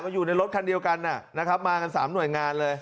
อยู่ในรถคันเดียวกันนะครับมากัน๓หน่วยงานเลย